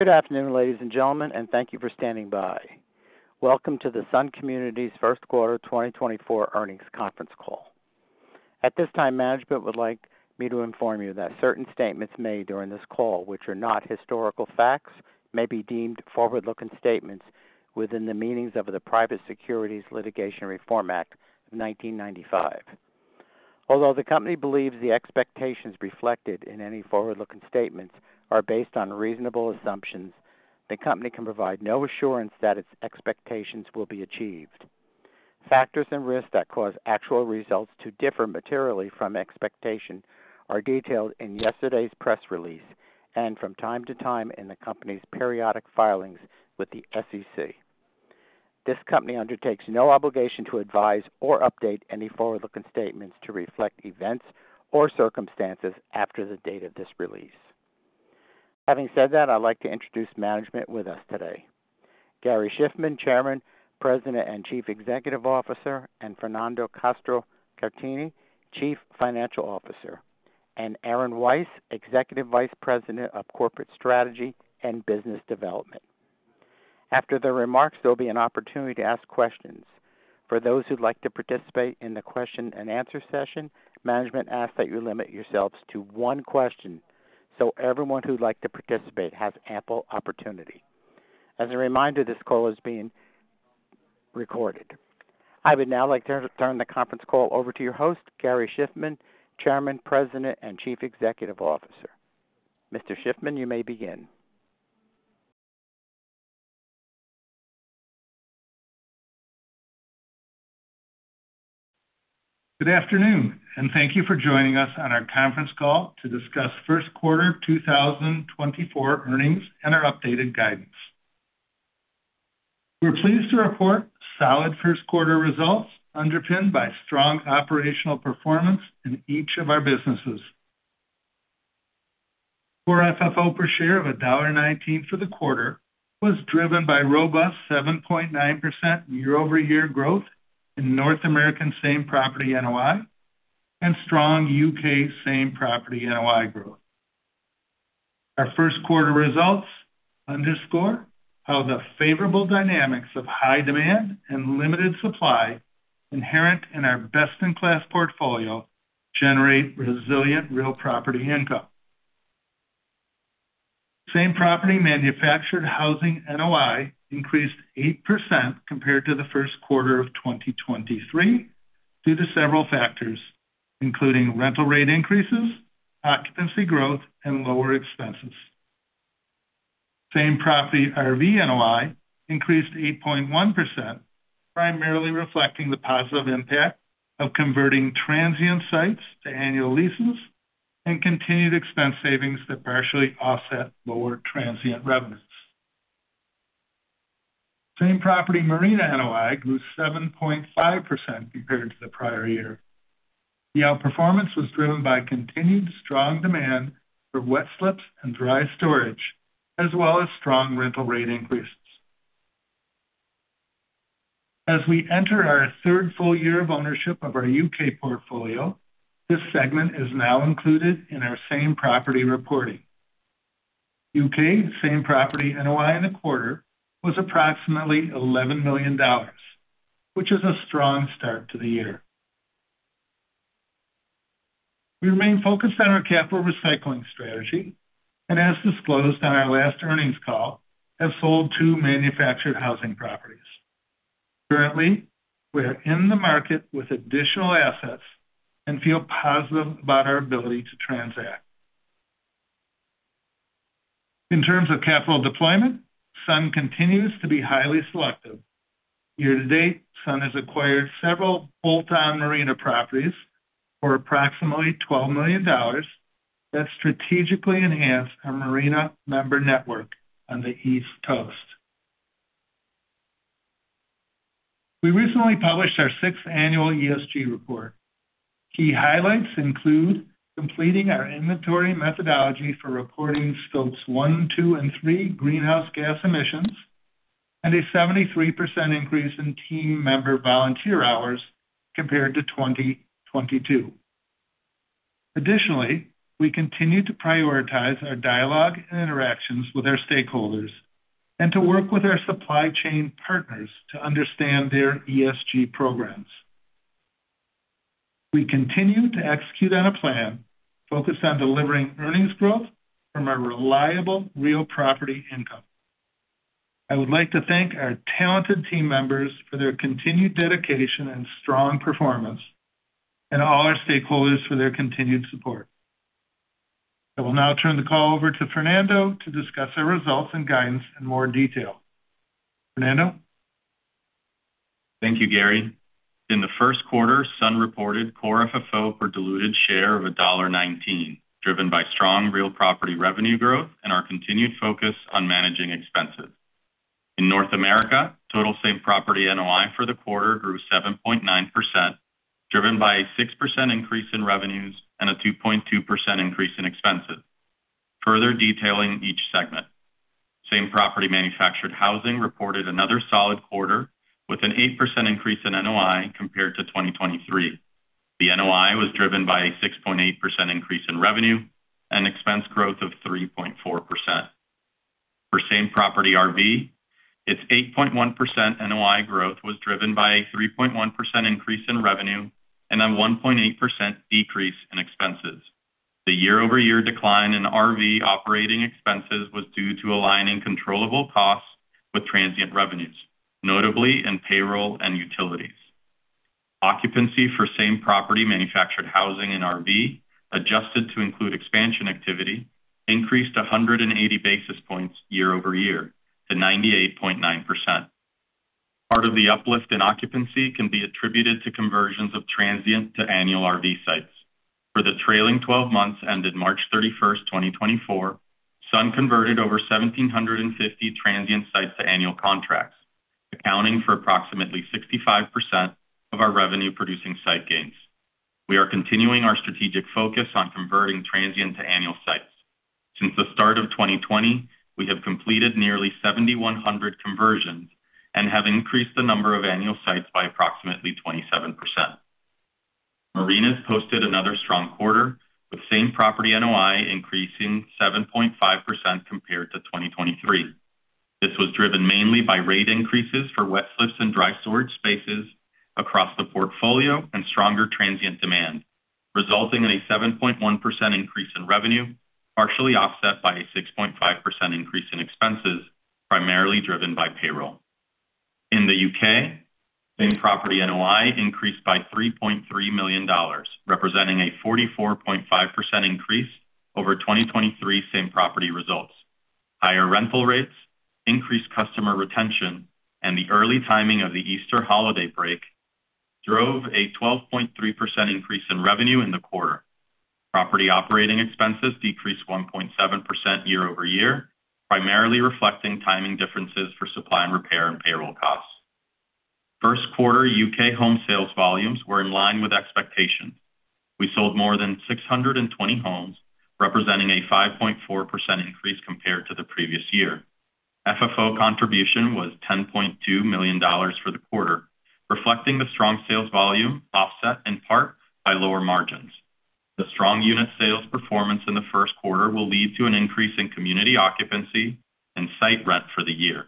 Good afternoon, ladies and gentlemen, and thank you for standing by. Welcome to the Sun Communities First Quarter 2024 Earnings Conference Call. At this time, management would like me to inform you that certain statements made during this call, which are not historical facts, may be deemed forward-looking statements within the meanings of the Private Securities Litigation Reform Act of 1995. Although the company believes the expectations reflected in any forward-looking statements are based on reasonable assumptions, the company can provide no assurance that its expectations will be achieved. Factors and risks that cause actual results to differ materially from expectations are detailed in yesterday's press release and from time to time in the company's periodic filings with the SEC. This company undertakes no obligation to advise or update any forward-looking statements to reflect events or circumstances after the date of this release. Having said that, I'd like to introduce management with us today. Gary Shiffman, Chairman, President, and Chief Executive Officer, and Fernando Castro-Caratini, Chief Financial Officer, and Aaron Weiss, Executive Vice President of Corporate Strategy and Business Development. After the remarks, there'll be an opportunity to ask questions. For those who'd like to participate in the question and answer session, management asks that you limit yourselves to one question, so everyone who'd like to participate has ample opportunity. As a reminder, this call is being recorded. I would now like to turn the conference call over to your host, Gary Shiffman, Chairman, President, and Chief Executive Officer. Mr. Shiffman, you may begin. Good afternoon, and thank you for joining us on our conference call to discuss first quarter 2024 earnings and our updated guidance. We're pleased to report solid first quarter results underpinned by strong operational performance in each of our businesses. Core FFO per share of $1.19 for the quarter was driven by robust 7.9% year-over-year growth in North American same-property NOI and strong U.K. same-property NOI growth. Our first quarter results underscore how the favorable dynamics of high demand and limited supply inherent in our best-in-class portfolio generate resilient real property income. Same-property manufactured housing NOI increased 8% compared to the first quarter of 2023, due to several factors, including rental rate increases, occupancy growth, and lower expenses. Same-property RV NOI increased 8.1%, primarily reflecting the positive impact of converting transient sites to annual leases and continued expense savings that partially offset lower transient revenues. Same-property marina NOI grew 7.5% compared to the prior year. The outperformance was driven by continued strong demand for wet slips and dry storage, as well as strong rental rate increases. As we enter our third full year of ownership of our U.K. portfolio, this segment is now included in our same-property reporting. U.K. same-property NOI in the quarter was approximately $11 million, which is a strong start to the year. We remain focused on our capital recycling strategy, and as disclosed on our last earnings call, have sold two manufactured housing properties. Currently, we are in the market with additional assets and feel positive about our ability to transact. In terms of capital deployment, Sun continues to be highly selective. Year to date, Sun has acquired several bolt-on marina properties for approximately $12 million that strategically enhance our marina member network on the East Coast. We recently published our sixth annual ESG report. Key highlights include completing our inventory methodology for reporting Scope 1, 2, and 3 greenhouse gas emissions, and a 73% increase in team member volunteer hours compared to 2022. Additionally, we continue to prioritize our dialogue and interactions with our stakeholders and to work with our supply chain partners to understand their ESG programs. We continue to execute on a plan focused on delivering earnings growth from our reliable real property income. I would like to thank our talented team members for their continued dedication and strong performance, and all our stakeholders for their continued support. I will now turn the call over to Fernando to discuss our results and guidance in more detail. Fernando? Thank you, Gary. In the first quarter, Sun reported core FFO per diluted share of $1.19, driven by strong real property revenue growth and our continued focus on managing expenses. In North America, total same-property NOI for the quarter grew 7.9%, driven by a 6% increase in revenues and a 2.2% increase in expenses. Further detailing each segment. Same-property manufactured housing reported another solid quarter, with an 8% increase in NOI compared to 2023. The NOI was driven by a 6.8% increase in revenue and expense growth of 3.4%. For same-property RV, its 8.1% NOI growth was driven by a 3.1% increase in revenue and a 1.8% decrease in expenses. The year-over-year decline in RV operating expenses was due to aligning controllable costs with transient revenues, notably in payroll and utilities. Occupancy for same property manufactured housing and RV, adjusted to include expansion activity, increased 100 basis points year-over-year to 98.9%. Part of the uplift in occupancy can be attributed to conversions of transient to annual RV sites. For the trailing twelve months ended March 31, 2024, Sun converted over 1,750 transient sites to annual contracts, accounting for approximately 65% of our revenue-producing site gains. We are continuing our strategic focus on converting transient to annual sites. Since the start of 2020, we have completed nearly 7,100 conversions and have increased the number of annual sites by approximately 27%. Marinas posted another strong quarter, with same property NOI increasing 7.5% compared to 2023. This was driven mainly by rate increases for wet slips and dry storage spaces across the portfolio and stronger transient demand, resulting in a 7.1% increase in revenue, partially offset by a 6.5% increase in expenses, primarily driven by payroll. In the U.K., same property NOI increased by $3.3 million, representing a 44.5% increase over 2023 same property results. Higher rental rates, increased customer retention, and the early timing of the Easter holiday break drove a 12.3% increase in revenue in the quarter. Property operating expenses decreased 1.7% year-over-year, primarily reflecting timing differences for supply and repair and payroll costs. First quarter U.K. home sales volumes were in line with expectations. We sold more than 620 homes, representing a 5.4% increase compared to the previous year. FFO contribution was $10.2 million for the quarter, reflecting the strong sales volume, offset in part by lower margins. The strong unit sales performance in the first quarter will lead to an increase in community occupancy and site rent for the year.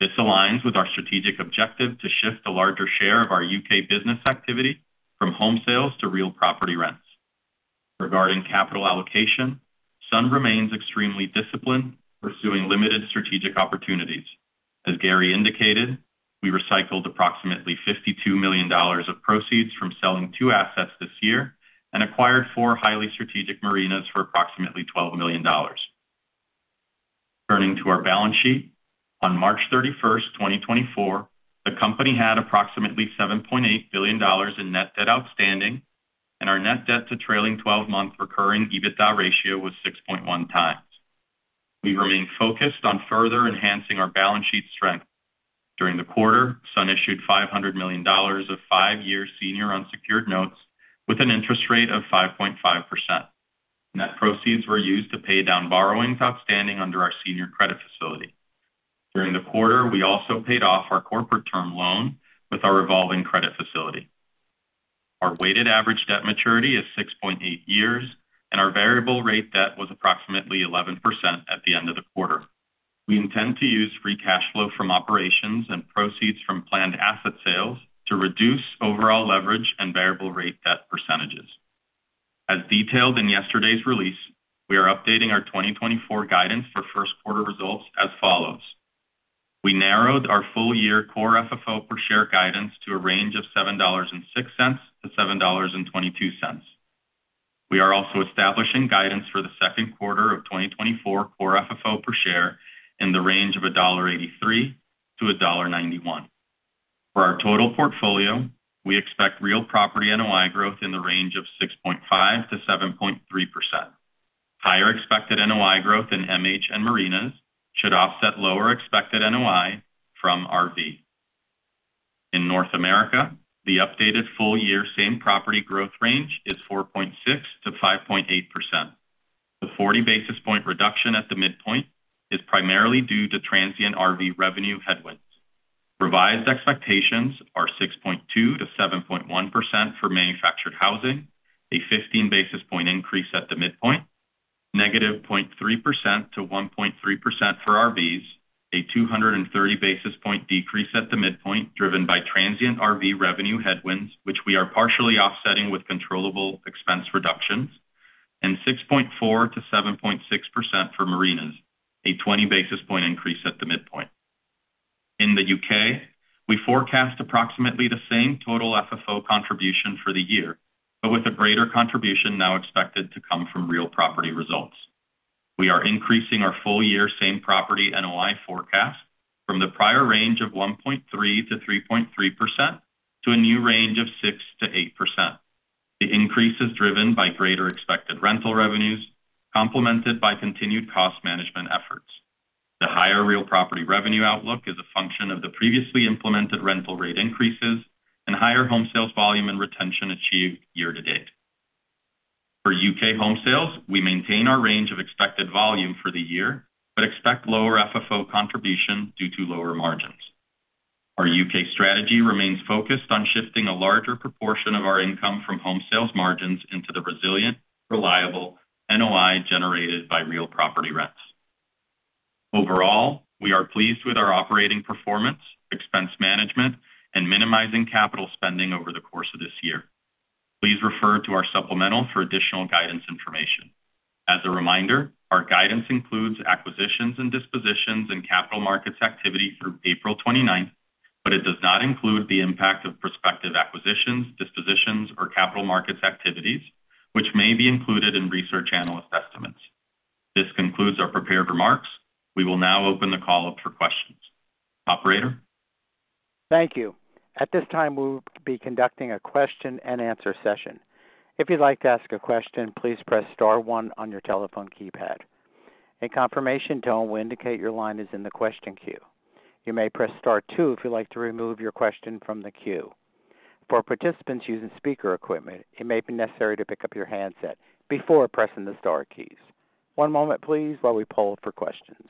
This aligns with our strategic objective to shift a larger share of our U.K. business activity from home sales to real property rents. Regarding capital allocation, Sun remains extremely disciplined, pursuing limited strategic opportunities. As Gary indicated, we recycled approximately $52 million of proceeds from selling two assets this year and acquired four highly strategic marinas for approximately $12 million. Turning to our balance sheet, on March 31, 2024, the company had approximately $7.8 billion in net debt outstanding, and our net debt to trailing 12-month recurring EBITDA ratio was 6.1x. We remain focused on further enhancing our balance sheet strength. During the quarter, Sun issued $500 million of five-year senior unsecured notes with an interest rate of 5.5%. Net proceeds were used to pay down borrowings outstanding under our senior credit facility. During the quarter, we also paid off our corporate term loan with our revolving credit facility. Our weighted average debt maturity is 6.8 years, and our variable rate debt was approximately 11% at the end of the quarter. We intend to use free cash flow from operations and proceeds from planned asset sales to reduce overall leverage and variable rate debt percentages. As detailed in yesterday's release, we are updating our 2024 guidance for first quarter results as follows: We narrowed our full-year core FFO per share guidance to a range of $7.06-$7.22. We are also establishing guidance for the second quarter of 2024 core FFO per share in the range of $1.83-$1.91. For our total portfolio, we expect real property NOI growth in the range of 6.5%-7.3%. Higher expected NOI growth in MH and marinas should offset lower expected NOI from RV. In North America, the updated full year same property growth range is 4.6%-5.8%. The 40 basis point reduction at the midpoint is primarily due to transient RV revenue headwinds. Revised expectations are 6.2%-7.1% for Manufactured Housing, a 15 basis points increase at the midpoint, -0.3% to 1.3% for RVs, a 230 basis points decrease at the midpoint, driven by transient RV revenue headwinds, which we are partially offsetting with controllable expense reductions, and 6.4%-7.6% for Marinas, a 20 basis points increase at the midpoint. In the U.K., we forecast approximately the same total FFO contribution for the year, but with a greater contribution now expected to come from real property results. We are increasing our full-year same property NOI forecast from the prior range of 1.3%-3.3% to a new range of 6%-8%. The increase is driven by greater expected rental revenues, complemented by continued cost management efforts. The higher real property revenue outlook is a function of the previously implemented rental rate increases and higher home sales volume and retention achieved year to date... For U.K. home sales, we maintain our range of expected volume for the year, but expect lower FFO contribution due to lower margins. Our U.K. strategy remains focused on shifting a larger proportion of our income from home sales margins into the resilient, reliable NOI generated by real property rents. Overall, we are pleased with our operating performance, expense management, and minimizing capital spending over the course of this year. Please refer to our supplemental for additional guidance information. As a reminder, our guidance includes acquisitions and dispositions and capital markets activity through April 29th, but it does not include the impact of prospective acquisitions, dispositions, or capital markets activities, which may be included in research analyst estimates. This concludes our prepared remarks. We will now open the call up for questions. Operator? Thank you. At this time, we'll be conducting a question-and-answer session. If you'd like to ask a question, please press star one on your telephone keypad. A confirmation tone will indicate your line is in the question queue. You may press star two if you'd like to remove your question from the queue. For participants using speaker equipment, it may be necessary to pick up your handset before pressing the star keys. One moment please, while we poll for questions.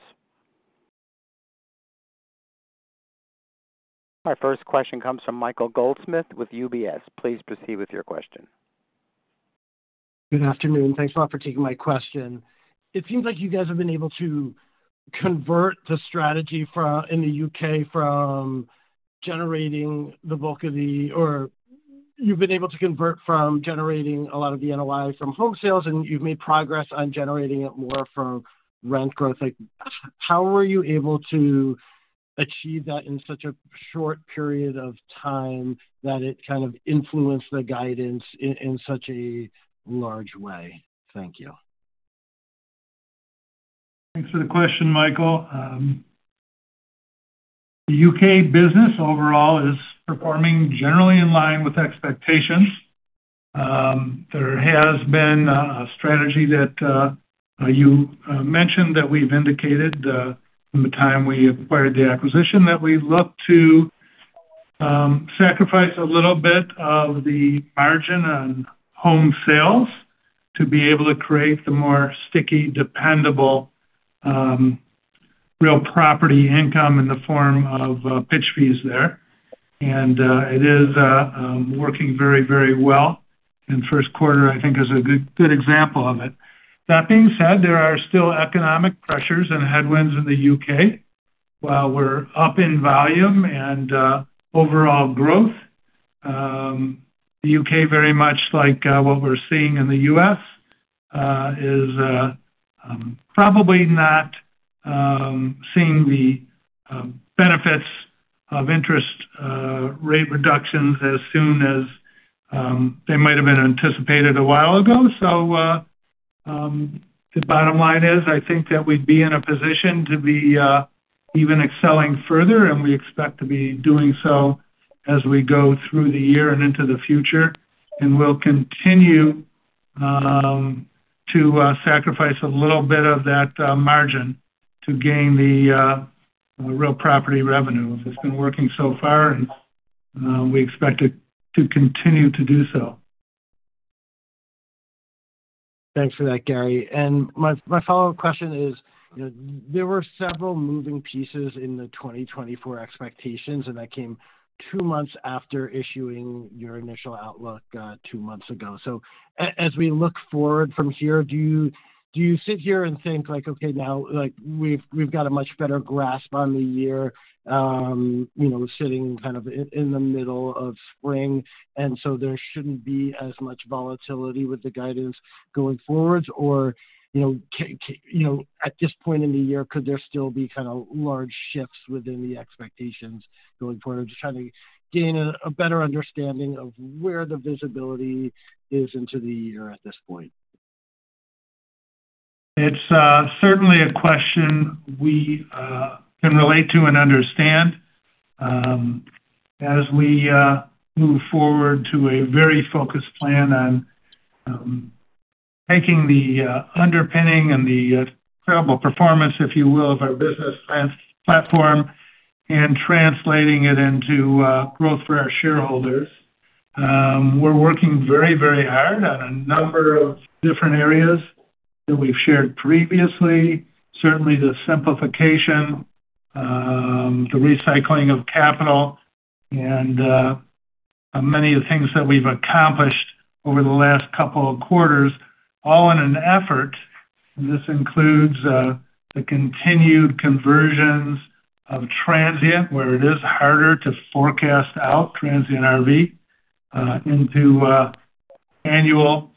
Our first question comes from Michael Goldsmith with UBS. Please proceed with your question. Good afternoon. Thanks a lot for taking my question. It seems like you guys have been able to convert the strategy in the U.K. from generating a lot of the NOI from home sales, and you've made progress on generating it more from rent growth. Like, how were you able to achieve that in such a short period of time, that it kind of influenced the guidance in such a large way? Thank you. Thanks for the question, Michael. The U.K. business overall is performing generally in line with expectations. There has been a strategy that you mentioned, that we've indicated from the time we acquired the acquisition, that we'd look to sacrifice a little bit of the margin on home sales to be able to create the more sticky, dependable real property income in the form of pitch fees there. And it is working very, very well. In first quarter, I think is a good, good example of it. That being said, there are still economic pressures and headwinds in the U.K.. While we're up in volume and overall growth, the U.K., very much like what we're seeing in the U.S., is probably not seeing the benefits of interest rate reductions as soon as they might have been anticipated a while ago. So, the bottom line is, I think that we'd be in a position to be even excelling further, and we expect to be doing so as we go through the year and into the future. And we'll continue to sacrifice a little bit of that margin to gain the real property revenue. It's been working so far, and we expect it to continue to do so. Thanks for that, Gary. And my follow-up question is, you know, there were several moving pieces in the 2024 expectations, and that came two months after issuing your initial outlook two months ago. So as we look forward from here, do you sit here and think, like, okay, now, like, we've got a much better grasp on the year, you know, sitting kind of in the middle of spring, and so there shouldn't be as much volatility with the guidance going forward? Or, you know, at this point in the year, could there still be kind of large shifts within the expectations going forward? I'm just trying to gain a better understanding of where the visibility is into the year at this point. It's certainly a question we can relate to and understand, as we move forward to a very focused plan on taking the underpinning and the incredible performance, if you will, of our business transformation platform and translating it into growth for our shareholders. We're working very, very hard on a number of different areas that we've shared previously. Certainly, the simplification, the recycling of capital, and many of the things that we've accomplished over the last couple of quarters, all in an effort, and this includes the continued conversions of transient, where it is harder to forecast out transient RV, into annual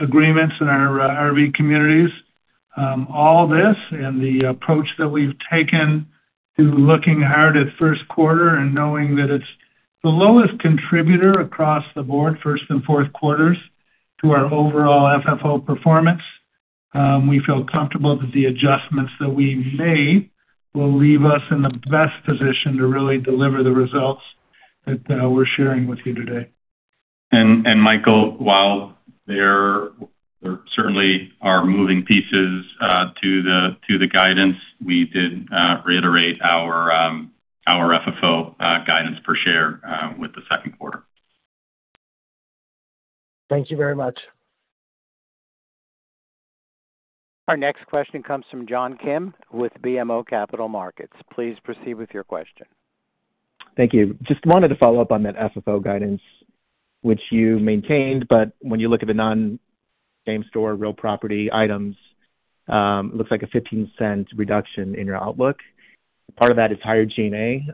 agreements in our RV communities. All this, and the approach that we've taken to looking hard at first quarter and knowing that it's the lowest contributor across the board, first and fourth quarters, to our overall FFO performance, we feel comfortable that the adjustments that we made will leave us in the best position to really deliver the results that we're sharing with you today. Michael, there certainly are moving pieces to the guidance. We did reiterate our FFO guidance per share with the second quarter. Thank you very much. Our next question comes from John Kim with BMO Capital Markets. Please proceed with your question. Thank you. Just wanted to follow up on that FFO guidance, which you maintained, but when you look at the non-same-store real property items, it looks like a $0.15 reduction in your outlook. Part of that is higher G&A,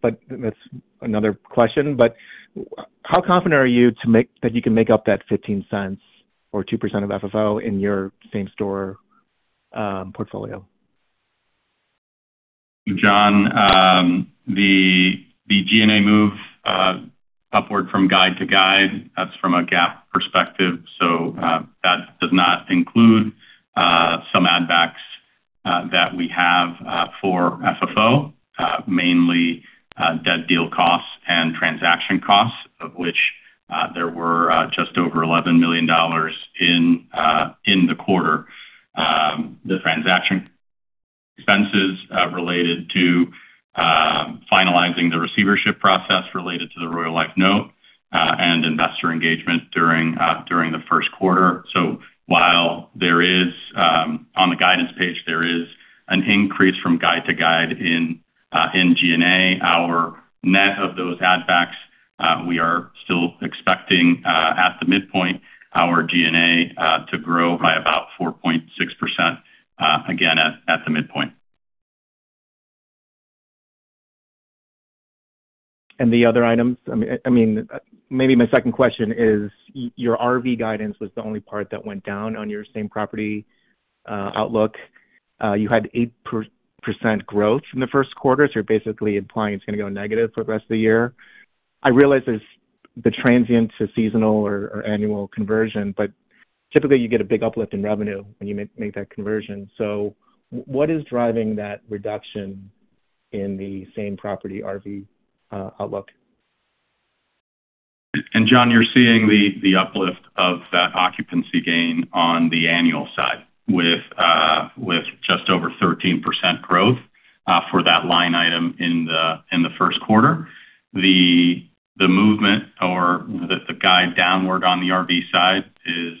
but that's another question. But how confident are you that you can make up that $0.15 or 2% of FFO in your same-store portfolio? John, the G&A move upward from guide to guide, that's from a GAAP perspective. So, that does not include some add backs that we have for FFO, mainly dead deal costs and transaction costs, of which there were just over $11 million in the quarter. The transaction expenses related to finalizing the receivership process related to the RoyaleLife note, and investor engagement during the first quarter. So while there is, on the guidance page, there is an increase from guide to guide in G&A, our net of those add backs, we are still expecting, at the midpoint, our G&A to grow by about 4.6%, again, at the midpoint. The other items? I mean, maybe my second question is, your RV guidance was the only part that went down on your same property outlook. You had 8% growth in the first quarter, so you're basically implying it's gonna go negative for the rest of the year. I realize there's the transient to seasonal or annual conversion, but typically, you get a big uplift in revenue when you make that conversion. So what is driving that reduction in the same property RV outlook? And John, you're seeing the uplift of that occupancy gain on the annual side, with just over 13% growth for that line item in the first quarter. The movement or the guide downward on the RV side is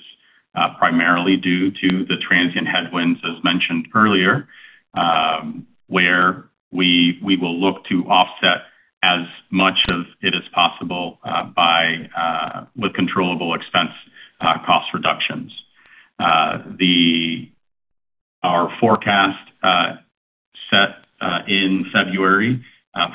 primarily due to the transient headwinds, as mentioned earlier, where we will look to offset as much of it as possible by with controllable expense cost reductions. Our forecast set in February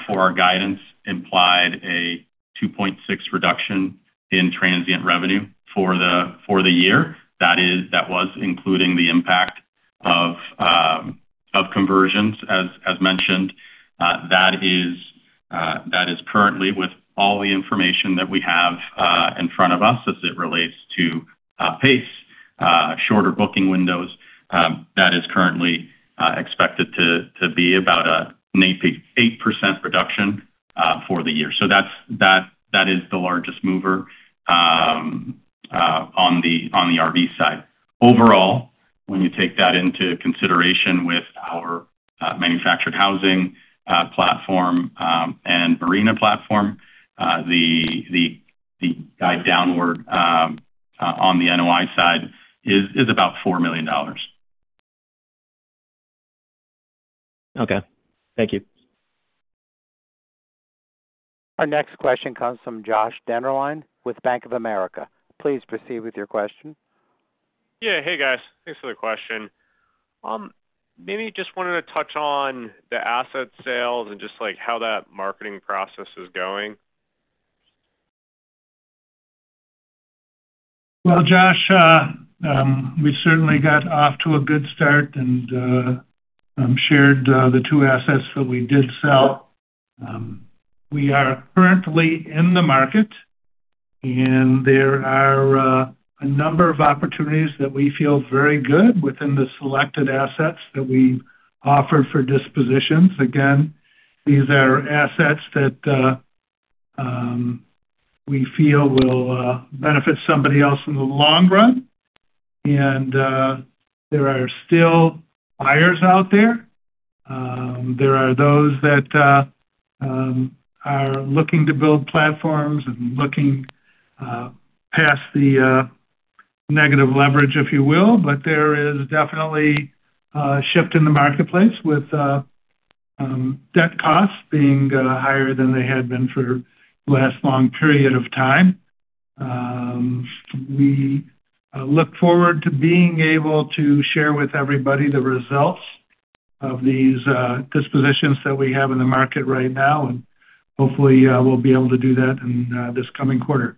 for our guidance implied a 2.6 reduction in transient revenue for the year. That is. That was including the impact of conversions, as mentioned. That is, that is currently with all the information that we have in front of us as it relates to pace, shorter booking windows, that is currently expected to be about an 8% reduction for the year. So that's the largest mover on the RV side. Overall, when you take that into consideration with our manufactured housing platform and marina platform, the guide downward on the NOI side is about $4 million. Okay. Thank you. Our next question comes from Josh Dennerline with Bank of America. Please proceed with your question. Yeah. Hey, guys. Thanks for the question. Maybe just wanted to touch on the asset sales and just, like, how that marketing process is going. Well, Josh, we certainly got off to a good start and shared the two assets that we did sell. We are currently in the market, and there are a number of opportunities that we feel very good within the selected assets that we offer for dispositions. Again, these are assets that we feel will benefit somebody else in the long run, and there are still buyers out there. There are those that are looking to build platforms and looking past the negative leverage, if you will. But there is definitely a shift in the marketplace with debt costs being higher than they had been for the last long period of time. We look forward to being able to share with everybody the results of these dispositions that we have in the market right now, and hopefully, we'll be able to do that in this coming quarter.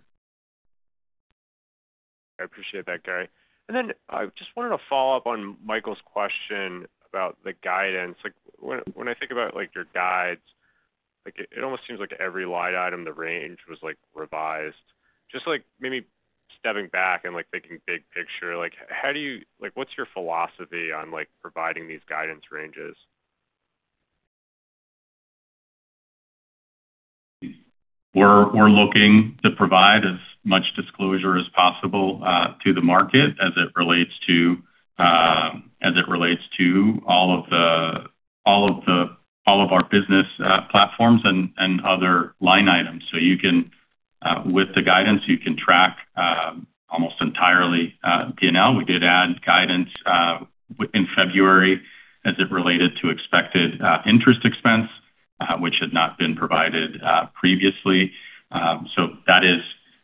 I appreciate that, Gary. Then I just wanted to follow up on Michael's question about the guidance. Like, when I think about, like, your guides, like, it almost seems like every line item, the range was, like, revised. Just like, maybe stepping back and, like, thinking big picture, like, how do you, like, what's your philosophy on, like, providing these guidance ranges? ... We're looking to provide as much disclosure as possible to the market as it relates to all of our business platforms and other line items. So you can, with the guidance, you can track almost entirely P&L. We did add guidance in February as it related to expected interest expense, which had not been provided previously. So that is,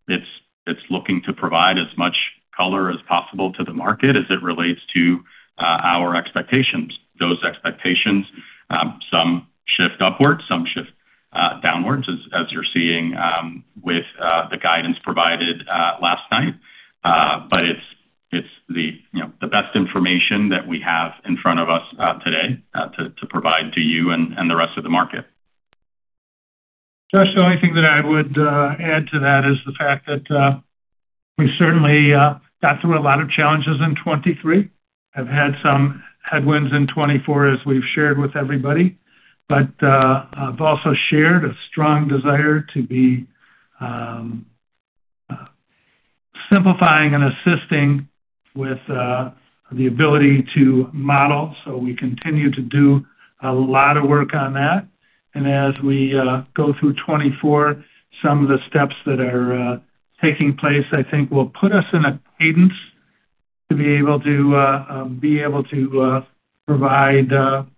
it's looking to provide as much color as possible to the market as it relates to our expectations. Those expectations, some shift upwards, some shift downwards, as you're seeing with the guidance provided last night. But it's, you know, the best information that we have in front of us today to provide to you and the rest of the market. Josh, the only thing that I would add to that is the fact that we certainly got through a lot of challenges in 2023, have had some headwinds in 2024, as we've shared with everybody. But I've also shared a strong desire to be simplifying and assisting with the ability to model, so we continue to do a lot of work on that. And as we go through 2024, some of the steps that are taking place, I think, will put us in a cadence to be able to provide an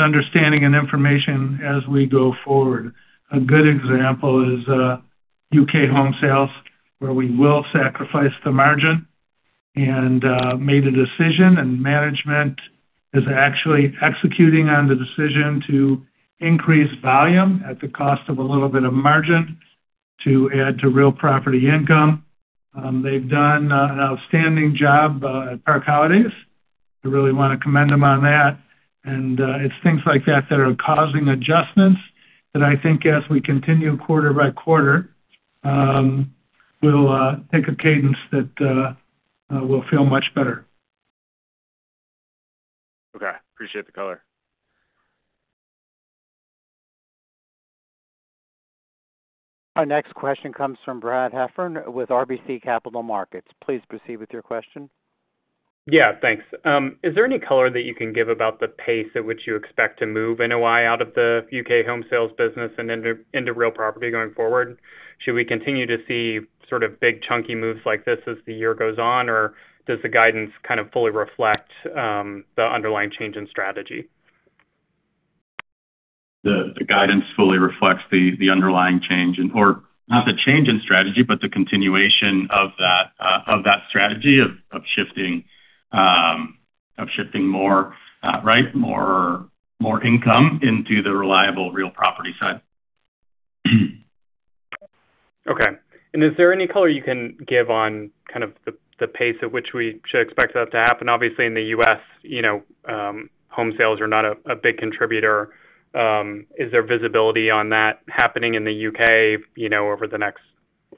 understanding and information as we go forward. A good example is, U.K. home sales, where we will sacrifice the margin and, made a decision, and management is actually executing on the decision to increase volume at the cost of a little bit of margin to add to real property income. They've done, an outstanding job, at Park Holidays. I really wanna commend them on that. It's things like that that are causing adjustments that I think as we continue quarter by quarter, we'll, take a cadence that, will feel much better. Okay. Appreciate the color. Our next question comes from Brad Heffern with RBC Capital Markets. Please proceed with your question. Yeah, thanks. Is there any color that you can give about the pace at which you expect to move NOI out of the U.K. home sales business and into, into real property going forward? Should we continue to see sort of big, chunky moves like this as the year goes on, or does the guidance kind of fully reflect the underlying change in strategy? The guidance fully reflects the underlying change and—or not the change in strategy, but the continuation of that strategy of shifting more right, more income into the reliable real property side. Okay. Is there any color you can give on kind of the pace at which we should expect that to happen? Obviously, in the U.S., you know, home sales are not a big contributor. Is there visibility on that happening in the U.K., you know, over the next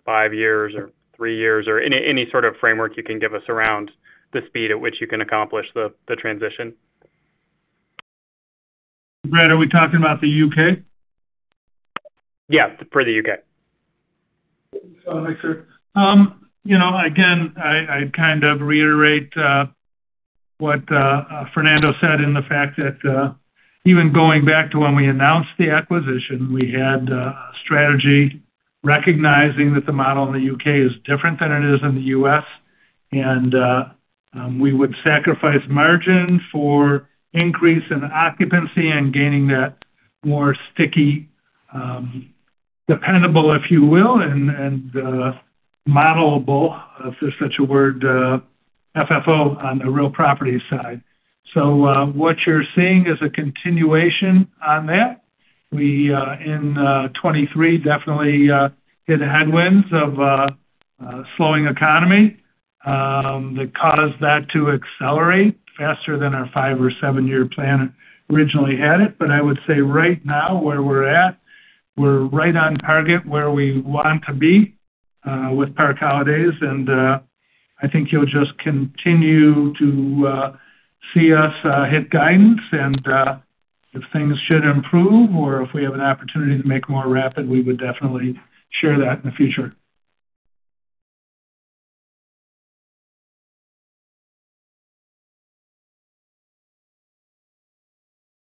five years or three years, or any sort of framework you can give us around the speed at which you can accomplish the transition? Brad, are we talking about the U.K.? Yeah, for the U.K.. Sure. You know, again, I kind of reiterate what Fernando said in the fact that even going back to when we announced the acquisition, we had a strategy recognizing that the model in the U.K. is different than it is in the U.S.. And we would sacrifice margin for increase in occupancy and gaining that more sticky, dependable, if you will, and modelable, if there's such a word, FFO on the real property side. So, what you're seeing is a continuation on that. We in 2023 definitely hit headwinds of a slowing economy that caused that to accelerate faster than our five or seven-year plan originally had it. But I would say right now, where we're at, we're right on target where we want to be with Park Holidays, and I think you'll just continue to see us hit guidance, and if things should improve or if we have an opportunity to make more rapid, we would definitely share that in the future.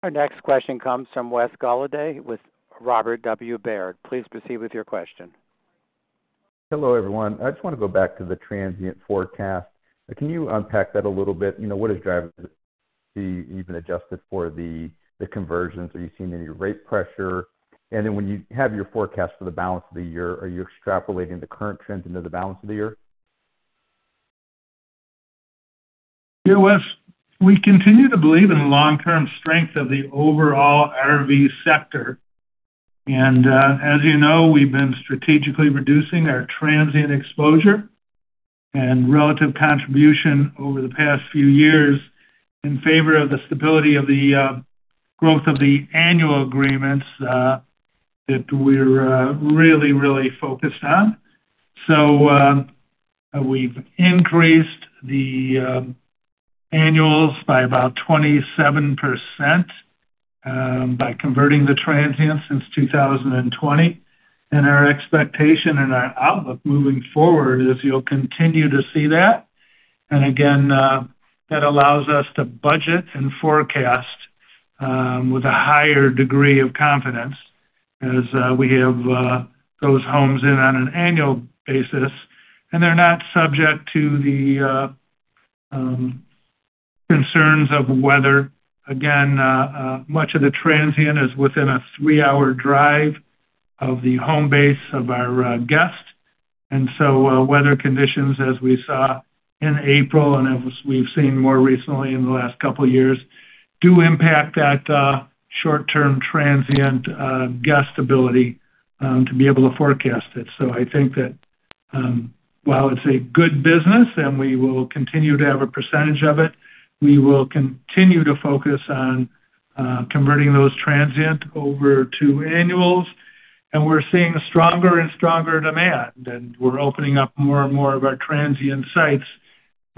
Our next question comes from Wes Golladay, with Robert W. Baird. Please proceed with your question. Hello, everyone. I just wanna go back to the transient forecast. Can you unpack that a little bit? You know, what is driving it to be even adjusted for the, the conversions? Are you seeing any rate pressure? And then when you have your forecast for the balance of the year, are you extrapolating the current trends into the balance of the year? Yeah, Wes, we continue to believe in the long-term strength of the overall RV sector. And, as you know, we've been strategically reducing our transient exposure and relative contribution over the past few years in favor of the stability of the growth of the annual agreements that we're really, really focused on. So, we've increased the annuals by about 27% by converting the transient since 2020. And our expectation and our outlook moving forward is you'll continue to see that. And again, that allows us to budget and forecast with a higher degree of confidence as we have those homes in on an annual basis, and they're not subject to the concerns of weather. Again, much of the transient is within a three-hour drive of the home base of our guest. And so weather conditions, as we saw in April and as we've seen more recently in the last couple of years, do impact that short-term transient guest ability to be able to forecast it. So I think that, while it's a good business and we will continue to have a percentage of it, we will continue to focus on converting those transient over to annuals. And we're seeing stronger and stronger demand, and we're opening up more and more of our transient sites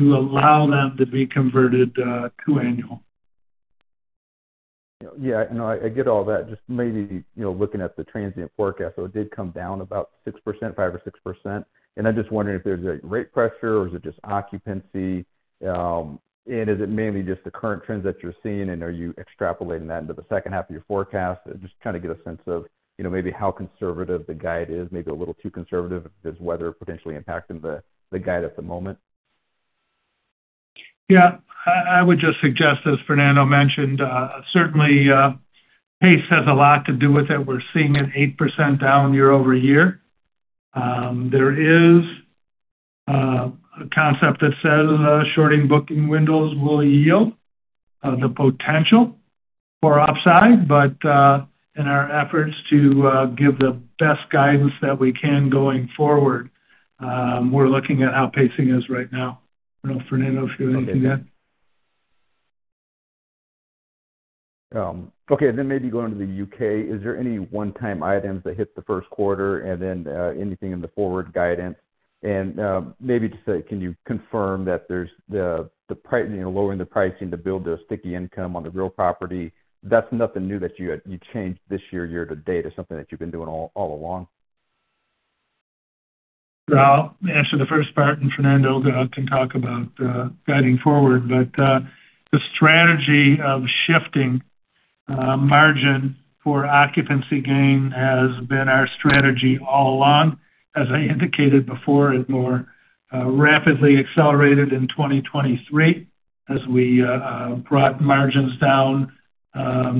to allow them to be converted to annual. Yeah, no, I get all that. Just maybe, you know, looking at the transient forecast, so it did come down about 6%, 5%-6%. And I'm just wondering if there's a rate pressure or is it just occupancy? And is it mainly just the current trends that you're seeing, and are you extrapolating that into the second half of your forecast? Just trying to get a sense of, you know, maybe how conservative the guide is, maybe a little too conservative if there's weather potentially impacting the guide at the moment. Yeah. I would just suggest, as Fernando mentioned, certainly, pace has a lot to do with it. We're seeing it 8% down year-over-year. There is a concept that says, shorting booking windows will yield the potential for upside, but, in our efforts to give the best guidance that we can going forward, we're looking at how pacing is right now. I don't know if Fernando if you want to add again. Okay, then maybe going to the U.K., is there any one-time items that hit the first quarter and then, anything in the forward guidance? And, maybe just, can you confirm that there's the pricing, lowering the pricing to build the sticky income on the real property, that's nothing new that you changed this year year to date, or something that you've been doing all along? Well, answer the first part, and Fernando can talk about guiding forward. But the strategy of shifting margin for occupancy gain has been our strategy all along. As I indicated before, it more rapidly accelerated in 2023 as we brought margins down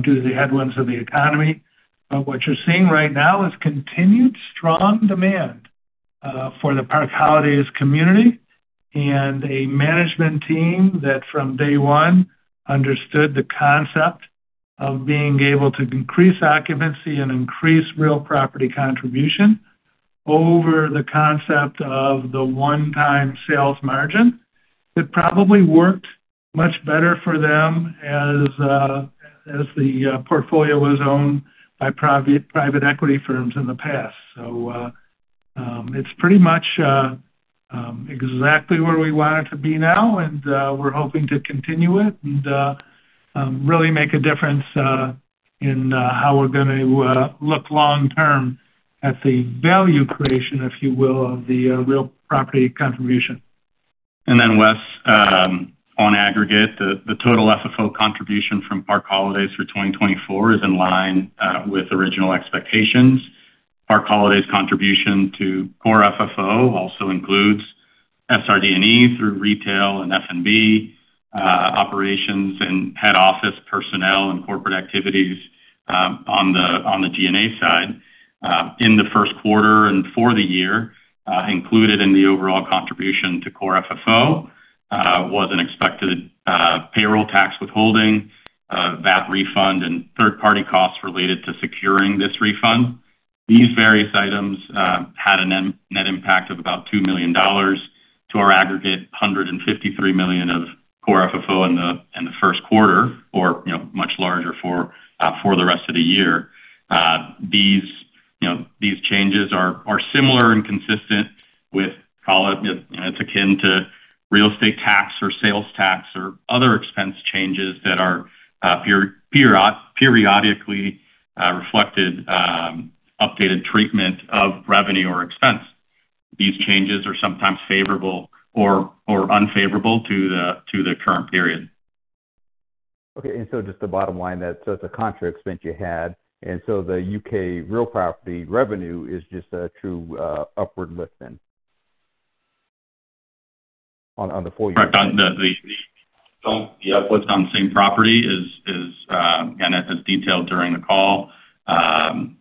due to the headwinds of the economy. But what you're seeing right now is continued strong demand for the Park Holidays community and a management team that, from day one, understood the concept of being able to increase occupancy and increase real property contribution over the concept of the one-time sales margin. It probably worked much better for them as the portfolio was owned by private equity firms in the past. So, it's pretty much exactly where we want it to be now, and we're hoping to continue it and really make a difference in how we're going to look long term at the value creation, if you will, of the real property contribution. Wes, on aggregate, the total FFO contribution from Park Holidays for 2024 is in line with original expectations. Park Holidays contribution to Core FFO also includes SRD&E through retail and F&B operations and head office personnel and corporate activities on the G&A side. In the first quarter and for the year, included in the overall contribution to Core FFO, was an expected payroll tax withholding, VAT refund, and third-party costs related to securing this refund. These various items had a net impact of about $2 million to our aggregate $153 million of Core FFO in the first quarter, or you know, much larger for the rest of the year. These, you know, these changes are similar and consistent with, call it, you know, it's akin to real estate tax or sales tax or other expense changes that are periodically reflected, updated treatment of revenue or expense. These changes are sometimes favorable or unfavorable to the current period. Okay, and so just the bottom line, that's so it's a contra expense you had, and so the U.K. real property revenue is just a true, upward lift then on, on the full year? Right. On the uplifts on the same property is and as detailed during the call,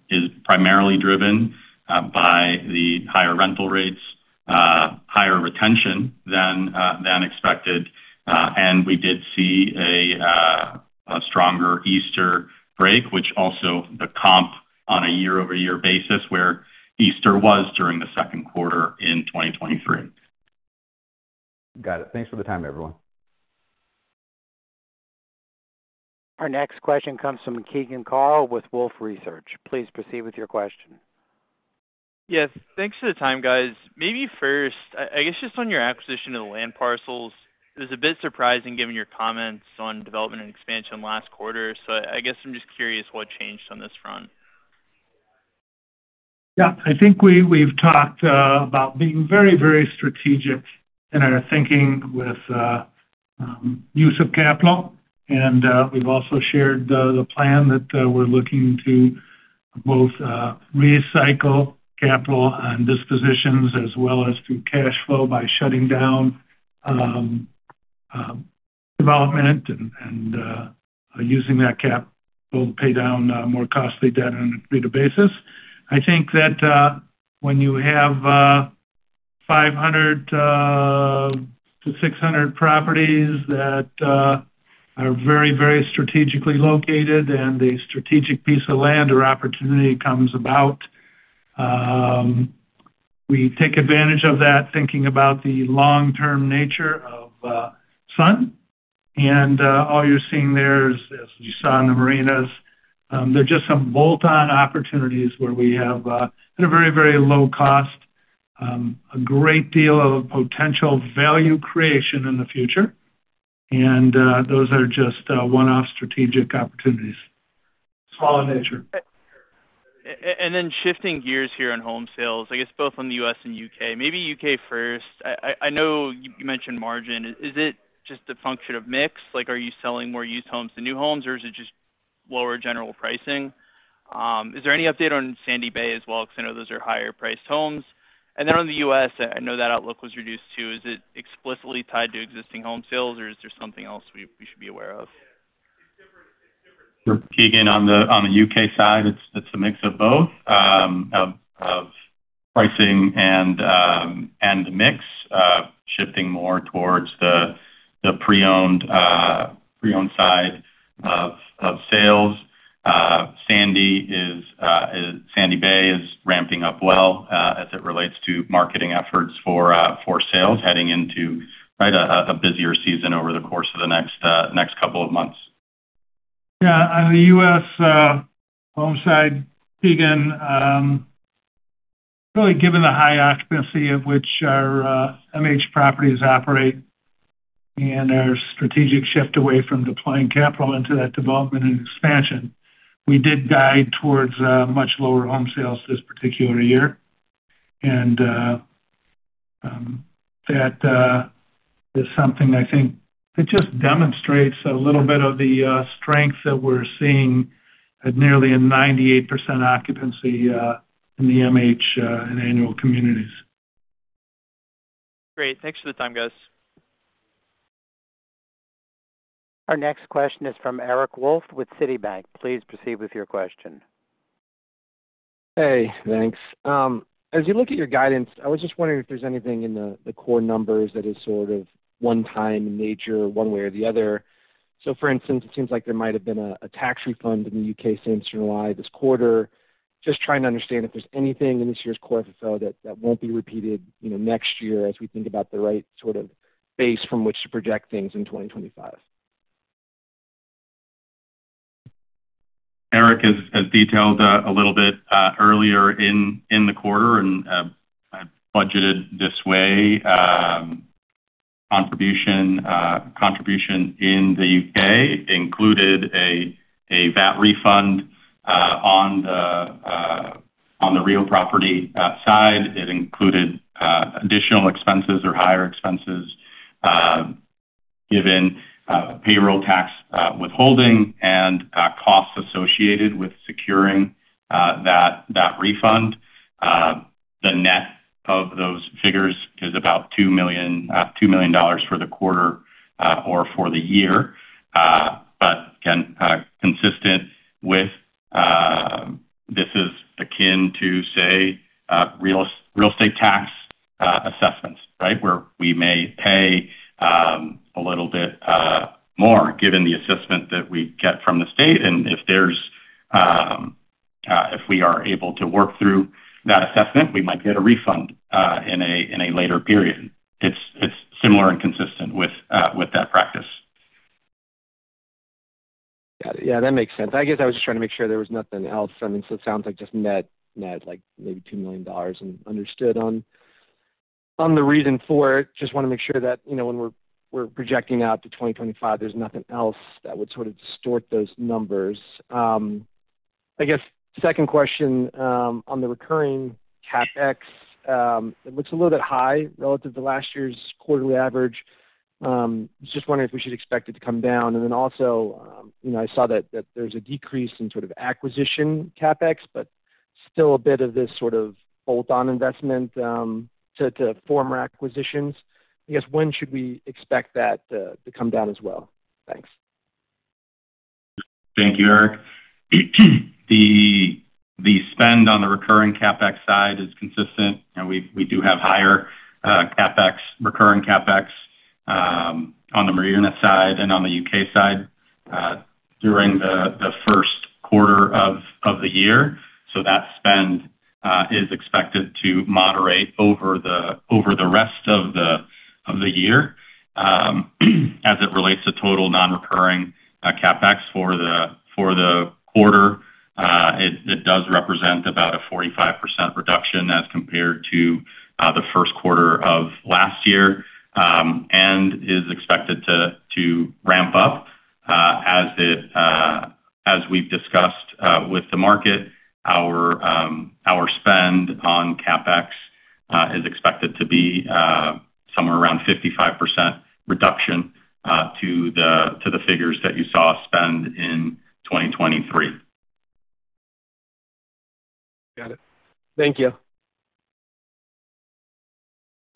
is primarily driven by the higher rental rates, higher retention than expected. And we did see a stronger Easter break, which also the comp on a year-over-year basis, where Easter was during the second quarter in 2023. Got it. Thanks for the time, everyone. Our next question comes from Keegan Carl with Wolfe Research. Please proceed with your question. Yes, thanks for the time, guys. Maybe first, I guess, just on your acquisition of the land parcels, it was a bit surprising given your comments on development and expansion last quarter. So I guess I'm just curious what changed on this front? Yeah, I think we've talked about being very, very strategic in our thinking with use of capital. And we've also shared the plan that we're looking to both recycle capital and dispositions, as well as through cash flow by shutting down development and using that cap, we'll pay down more costly debt on a later basis. I think that when you have 500-600 properties that are very, very strategically located and a strategic piece of land or opportunity comes about, we take advantage of that, thinking about the long-term nature of Sun. All you're seeing there is, as you saw in the marinas, they're just some bolt-on opportunities where we have, at a very, very low cost, a great deal of potential value creation in the future. Those are just, one-off strategic opportunities. Small in nature. And then shifting gears here on home sales, I guess, both on the U.S. and U.K., maybe U.K. first. I know you mentioned margin. Is it just a function of mix? Like, are you selling more used homes than new homes, or is it just lower general pricing? Is there any update on Sandy Bay as well? Because I know those are higher-priced homes. And then on the U.S., I know that outlook was reduced, too. Is it explicitly tied to existing home sales, or is there something else we should be aware of? Sure, Keegan, on the U.K. side, it's a mix of both, of pricing and mix, shifting more towards the pre-owned side of sales. Sandy Bay is ramping up well, as it relates to marketing efforts for sales, heading into a busier season over the course of the next couple of months. Yeah, on the U.S., home side, Keegan, really, given the high occupancy of which our MH properties operate and our strategic shift away from deploying capital into that development and expansion, we did guide towards much lower home sales this particular year. And that is something I think it just demonstrates a little bit of the strength that we're seeing at nearly a 98% occupancy in the MH and annual communities. Great. Thanks for the time, guys. Our next question is from Eric Wolfe with Citibank. Please proceed with your question. Hey, thanks. As you look at your guidance, I was just wondering if there's anything in the core numbers that is sort of one time in nature, one way or the other. So for instance, it seems like there might have been a tax refund in the U.K. since July this quarter. Just trying to understand if there's anything in this year's Core FFO that won't be repeated, you know, next year, as we think about the right sort of base from which to project things in 2025. Eric, as detailed a little bit earlier in the quarter, and I budgeted this way, contribution in the U.K. included a VAT refund on the real property side. It included additional expenses or higher expenses given payroll tax withholding and costs associated with securing that refund. The net of those figures is about $2 million for the quarter or for the year. But again, consistent with, this is akin to, say, real estate tax assessments, right? Where we may pay a little bit more, given the assessment that we get from the state. And if we are able to work through that assessment, we might get a refund in a later period. It's similar and consistent with that practice. Got it. Yeah, that makes sense. I guess I was just trying to make sure there was nothing else. I mean, so it sounds like just net, net, like maybe $2 million and understood on, on the reason for it. Just wanna make sure that, you know, when we're, we're projecting out to 2025, there's nothing else that would sort of distort those numbers. I guess second question, on the recurring CapEx, it looks a little bit high relative to last year's quarterly average. Just wondering if we should expect it to come down. And then also, you know, I saw that, that there's a decrease in sort of acquisition CapEx, but still a bit of this sort of bolt-on investment, to, to former acquisitions. I guess, when should we expect that, to come down as well? Thanks. Thank you, Eric. The spend on the recurring CapEx side is consistent, and we do have higher CapEx, recurring CapEx, on the marina side and on the U.K. side, during the first quarter of the year, so that spend is expected to moderate over the rest of the year. As it relates to total non-recurring CapEx for the quarter, it does represent about a 45% reduction as compared to the first quarter of last year, and is expected to ramp up, as we've discussed, with the market, our spend on CapEx is expected to be somewhere around 55% reduction to the figures that you saw spend in 2023. Got it. Thank you.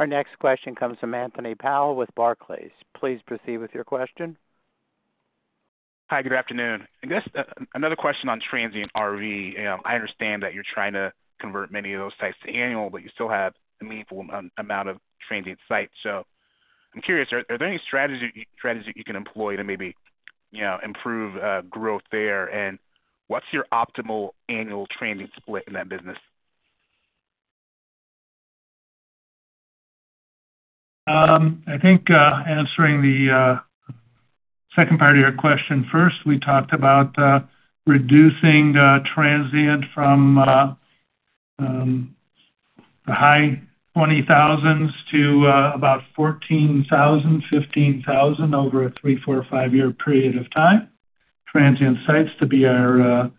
Our next question comes from Anthony Powell with Barclays. Please proceed with your question. Hi, good afternoon. I guess, another question on transient RV. I understand that you're trying to convert many of those sites to annual, but you still have a meaningful amount of transient sites. So I'm curious, are there any strategies that you can employ to maybe, you know, improve growth there? And what's your optimal annual transient split in that business? I think answering the second part of your question first, we talked about reducing transient from the high 20,000s to about 14,000, 15,000 over a three, four, five-year period of time. Transient sites to be our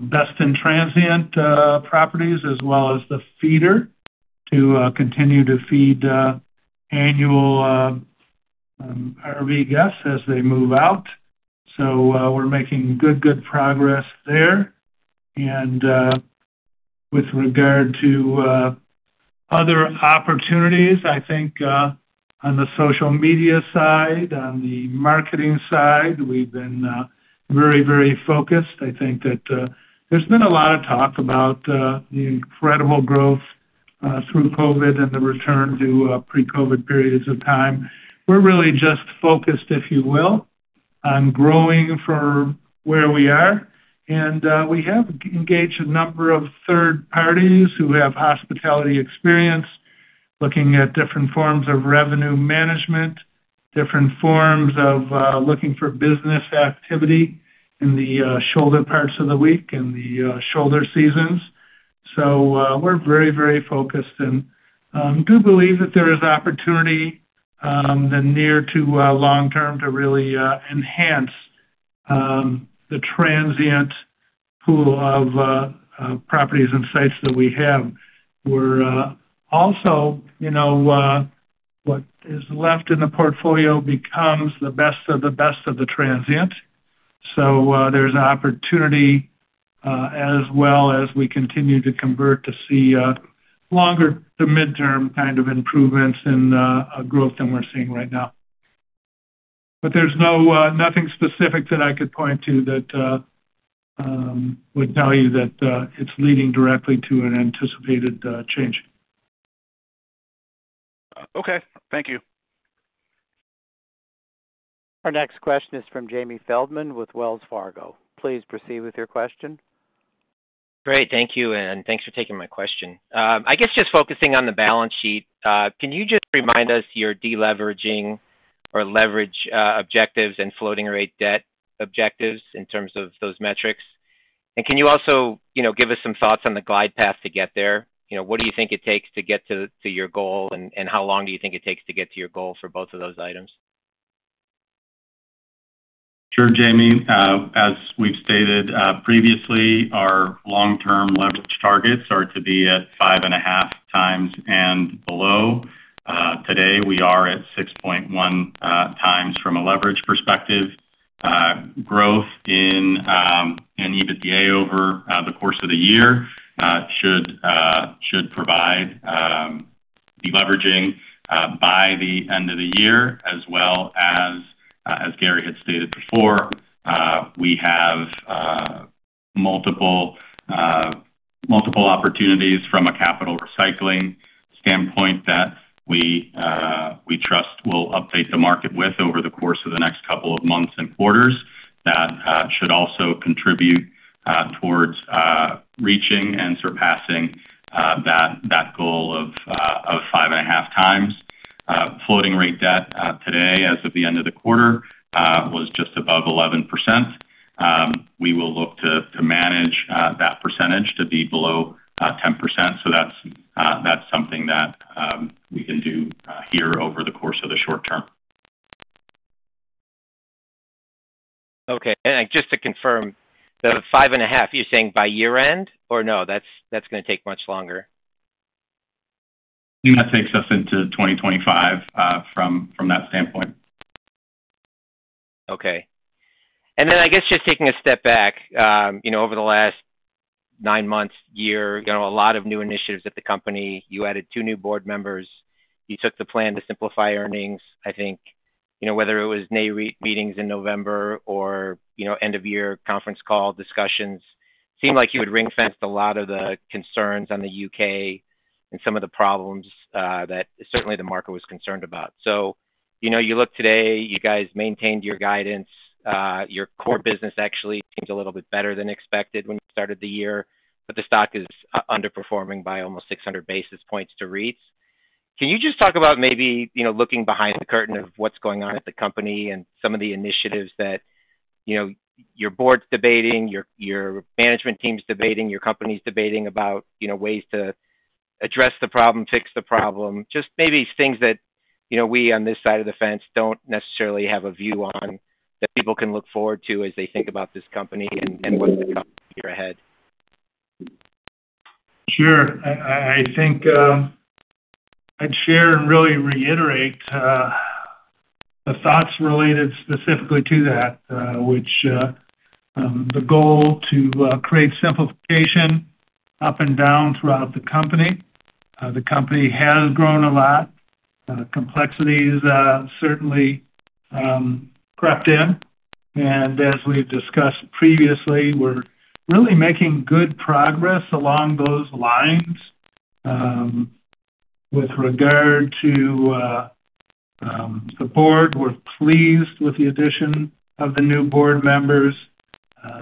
best in transient properties, as well as the feeder to continue to feed annual RV guests as they move out. So, we're making good, good progress there. With regard to other opportunities, I think on the social media side, on the marketing side, we've been very, very focused. I think that there's been a lot of talk about the incredible growth through COVID and the return to pre-COVID periods of time. We're really just focused, if you will, on growing from where we are, and we have engaged a number of third parties who have hospitality experience, looking at different forms of revenue management, different forms of looking for business activity in the shoulder parts of the week and the shoulder seasons. So, we're very, very focused and do believe that there is opportunity in the near to long term to really enhance the transient pool of properties and sites that we have. We're also, you know, what is left in the portfolio becomes the best of the best of the transient. So, there's an opportunity as well as we continue to convert to see longer to midterm kind of improvements and a growth than we're seeing right now. But there's no nothing specific that I could point to that would tell you that it's leading directly to an anticipated change. Okay, thank you. Our next question is from Jamie Feldman with Wells Fargo. Please proceed with your question. Great. Thank you, and thanks for taking my question. I guess just focusing on the balance sheet, can you just remind us your deleveraging or leverage objectives and floating rate debt objectives in terms of those metrics? And can you also, you know, give us some thoughts on the glide path to get there? You know, what do you think it takes to get to your goal, and how long do you think it takes to get to your goal for both of those items? Sure, Jamie. As we've stated previously, our long-term leverage targets are to be at 5.5x and below. Today, we are at 6.1x from a leverage perspective. Growth in EBITDA over the course of the year should provide deleveraging by the end of the year, as well as, as Gary had stated before, we have multiple opportunities from a capital recycling standpoint that we trust we'll update the market with over the course of the next couple of months and quarters. That should also contribute towards reaching and surpassing that goal of 5.5x. Floating rate debt today, as of the end of the quarter, was just above 11%. We will look to manage that percentage to be below 10%, so that's something that we can do here over the course of the short term. Okay. And just to confirm, the 5.5, you're saying by year-end, or no, that's, that's gonna take much longer? That takes us into 2025, from that standpoint. Okay. And then I guess just taking a step back, you know, over the last nine months, year, you know, a lot of new initiatives at the company. You added two new board members. You took the plan to simplify earnings. I think, you know, whether it was Nareit meetings in November or, you know, end-of-year conference call discussions. Seemed like you had ring-fenced a lot of the concerns on the U.K. and some of the problems, that certainly the market was concerned about. So, you know, you look today, you guys maintained your guidance. Your core business actually seems a little bit better than expected when you started the year, but the stock is underperforming by almost 600 basis points to REITs. Can you just talk about maybe, you know, looking behind the curtain of what's going on at the company and some of the initiatives that, you know, your board's debating, your, your management team's debating, your company's debating about, you know, ways to address the problem, fix the problem? Just maybe things that, you know, we, on this side of the fence, don't necessarily have a view on, that people can look forward to as they think about this company and, and what's to come year ahead. Sure. I think I'd share and really reiterate the thoughts related specifically to that, which the goal to create simplification up and down throughout the company. The company has grown a lot. Complexities certainly crept in, and as we've discussed previously, we're really making good progress along those lines. With regard to the board, we're pleased with the addition of the new board members.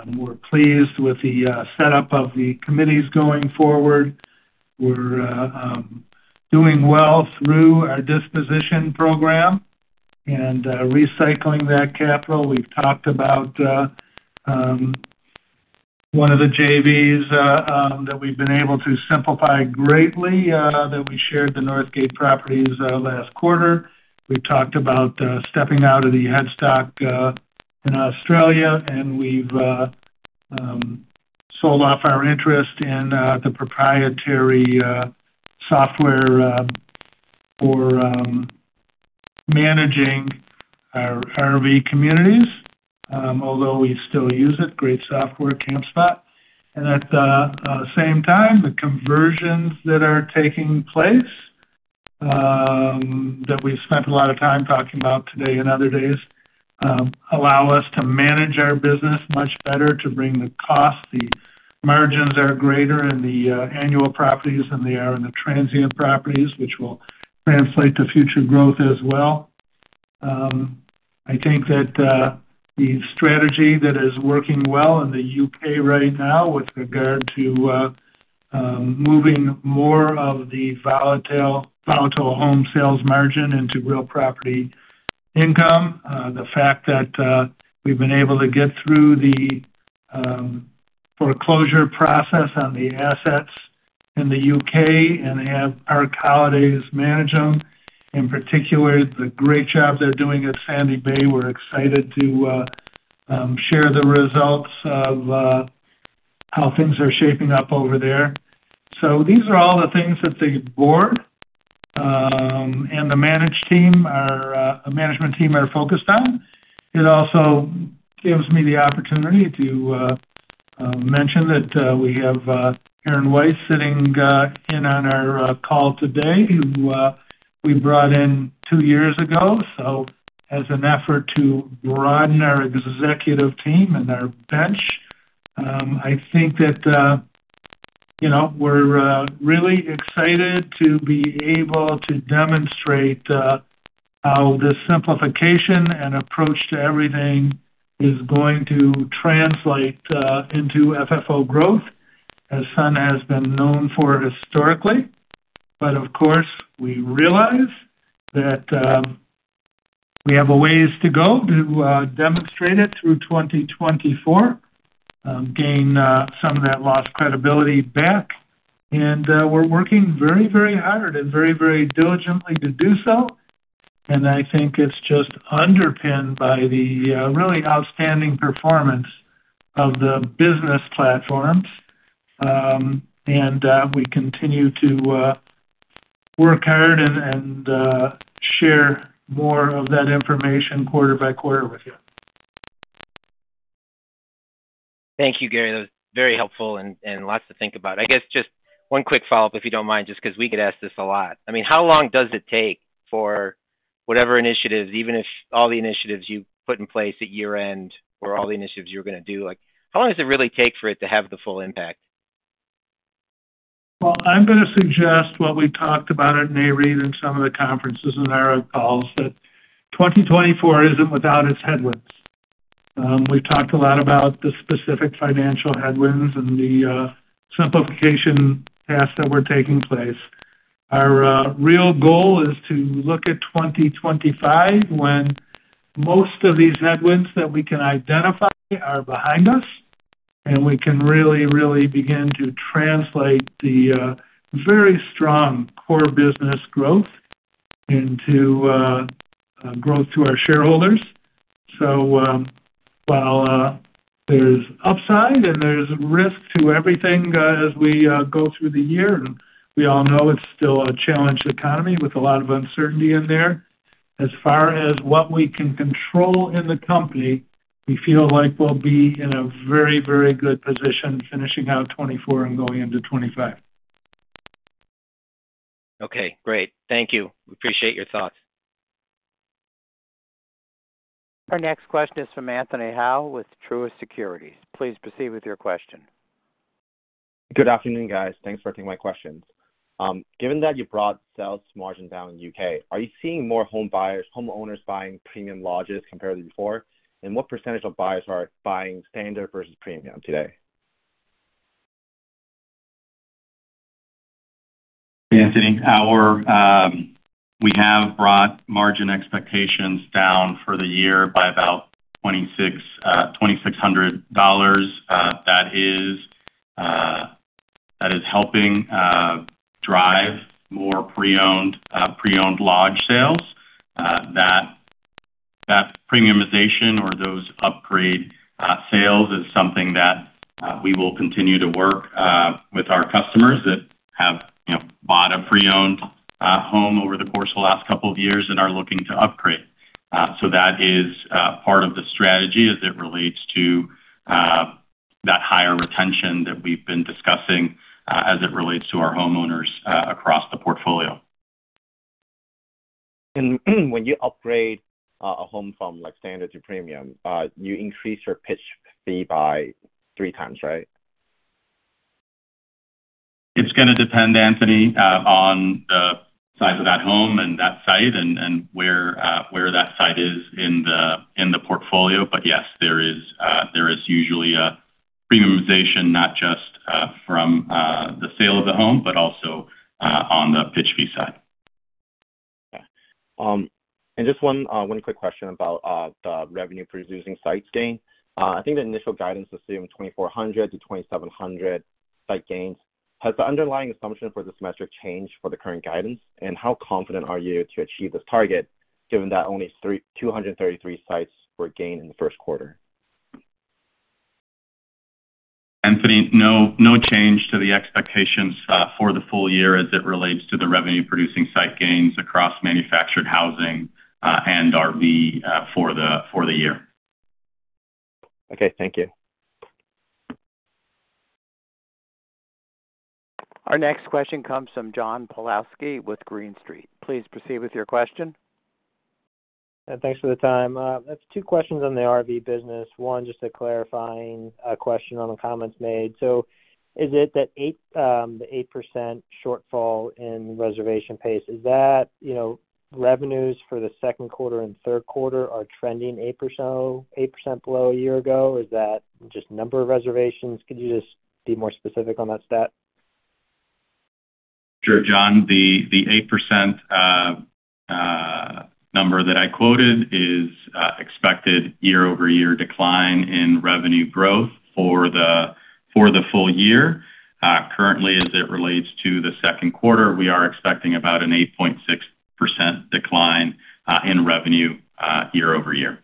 We're pleased with the setup of the committees going forward. We're doing well through our disposition program and recycling that capital. We've talked about one of the JVs that we've been able to simplify greatly, that we shared, the Northgate properties last quarter. We talked about stepping out of the headspace in Australia, and we've sold off our interest in the proprietary software for managing our RV communities. Although we still use it, great software, Campspot. And at the same time, the conversions that are taking place that we've spent a lot of time talking about today and other days allow us to manage our business much better, to bring the cost... The margins are greater in the annual properties than they are in the transient properties, which will translate to future growth as well. I think that the strategy that is working well in the U.K. right now with regard to moving more of the volatile, volatile home sales margin into real property income. The fact that we've been able to get through the foreclosure process on the assets in the U.K. and have Park Holidays manage them, in particular, the great job they're doing at Sandy Bay. We're excited to share the results of how things are shaping up over there. So these are all the things that the board and the management team, our management team are focused on. It also gives me the opportunity to mention that we have Aaron Weiss sitting in on our call today, who we brought in two years ago, so as an effort to broaden our executive team and our bench. I think that, you know, we're really excited to be able to demonstrate how this simplification and approach to everything is going to translate into FFO growth, as Sun has been known for historically. But of course, we realize that we have a ways to go to demonstrate it through 2024, gain some of that lost credibility back, and we're working very, very hard and very, very diligently to do so. And I think it's just underpinned by the really outstanding performance of the business platforms. And we continue to work hard and share more of that information quarter by quarter with you. Thank you, Gary. That was very helpful and lots to think about. I guess just one quick follow-up, if you don't mind, just 'cause we get asked this a lot. I mean, how long does it take for whatever initiatives, even if all the initiatives you put in place at year-end or all the initiatives you're gonna do, like, how long does it really take for it to have the full impact? Well, I'm gonna suggest what we talked about at Nareit in some of the conferences and our calls, that 2024 isn't without its headwinds. We've talked a lot about the specific financial headwinds and the simplification paths that were taking place. Our real goal is to look at 2025, when most of these headwinds that we can identify are behind us, and we can really, really begin to translate the very strong core business growth into growth to our shareholders. While there's upside and there's risk to everything, as we go through the year, and we all know it's still a challenged economy with a lot of uncertainty in there, as far as what we can control in the company, we feel like we'll be in a very, very good position finishing out 2024 and going into 2025. Okay, great. Thank you. We appreciate your thoughts. ...Our next question is from Anthony Hau with Truist Securities. Please proceed with your question. Good afternoon, guys. Thanks for taking my questions. Given that you brought sales margin down in U.K., are you seeing more home buyers, homeowners buying premium lodges compared to before? And what percentage of buyers are buying standard versus premium today? Anthony, we have brought margin expectations down for the year by about $2,600. That is helping drive more pre-owned lodge sales. That premiumization or those upgrade sales is something that we will continue to work with our customers that have, you know, bought a pre-owned home over the course of the last couple of years and are looking to upgrade. So that is part of the strategy as it relates to that higher retention that we've been discussing as it relates to our homeowners across the portfolio. When you upgrade a home from, like, standard to premium, you increase your pitch fee by three times, right? It's gonna depend, Anthony, on the size of that home and that site and where that site is in the portfolio. But yes, there is usually a premiumization, not just from the sale of the home, but also on the pitch fee side. Okay. And just one quick question about the revenue-producing sites gain. I think the initial guidance assumed 2,400-2,700 site gains. Has the underlying assumption for this metric changed for the current guidance? And how confident are you to achieve this target, given that only 233 sites were gained in the first quarter? Anthony, no, no change to the expectations for the full year as it relates to the revenue-producing site gains across manufactured housing and RV for the year. Okay. Thank you. Our next question comes from John Pawlowski with Green Street. Please proceed with your question. Thanks for the time. I have two questions on the RV business. One, just a clarifying question on the comments made. So is it that 8%, the 8% shortfall in reservation pace, is that, you know, revenues for the second quarter and third quarter are trending 8%, so 8% below a year ago? Is that just number of reservations? Could you just be more specific on that stat? Sure, John. The eight percent number that I quoted is expected year-over-year decline in revenue growth for the full year. Currently, as it relates to the second quarter, we are expecting about an 8.6% decline in revenue year over year.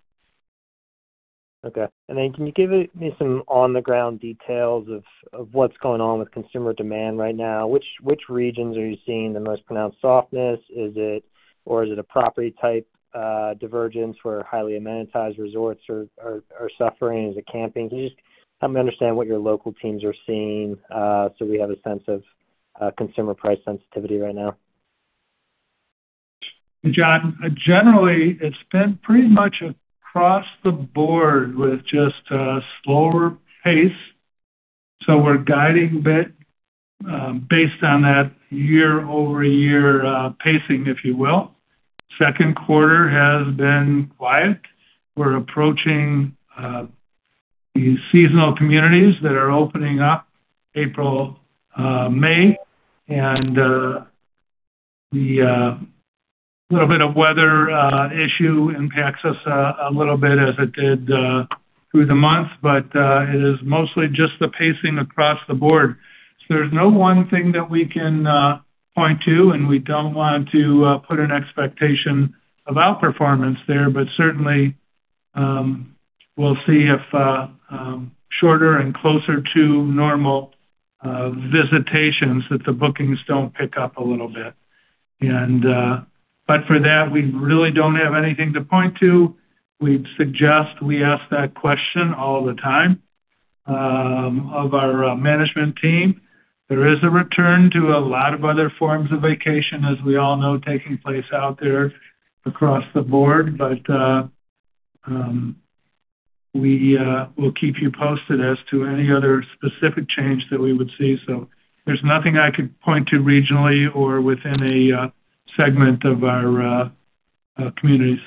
Okay. And then can you give me some on-the-ground details of what's going on with consumer demand right now? Which regions are you seeing the most pronounced softness? Is it or is it a property type divergence, where highly amenitized resorts are suffering? Is it camping? Can you just help me understand what your local teams are seeing, so we have a sense of consumer price sensitivity right now? John, generally, it's been pretty much across the board with just a slower pace, so we're guiding a bit based on that year-over-year pacing, if you will. Second quarter has been quiet. We're approaching the seasonal communities that are opening up April, May, and a little bit of weather issue impacts us a little bit as it did through the month, but it is mostly just the pacing across the board. So there's no one thing that we can point to, and we don't want to put an expectation of outperformance there, but certainly, we'll see if shorter and closer to normal visitations, that the bookings don't pick up a little bit. And but for that, we really don't have anything to point to. We'd suggest we ask that question all the time of our management team. There is a return to a lot of other forms of vacation, as we all know, taking place out there across the board, but we will keep you posted as to any other specific change that we would see. So there's nothing I could point to regionally or within a segment of our communities.